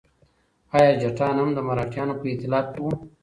ایا جټان هم د مرهټیانو په ائتلاف کې وو؟